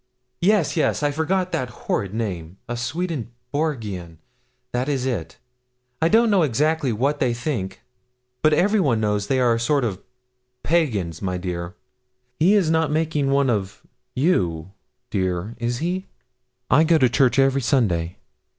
'Yes, yes I forgot the horrid name a Swedenborgian, that is it. I don't know exactly what they think, but everyone knows they are a sort of pagans, my dear. He's not making one of you, dear is he?' 'I go to church every Sunday.'